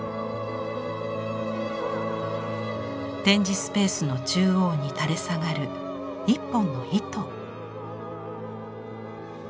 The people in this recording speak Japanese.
展示スペースの中央に垂れ下がる１本の糸。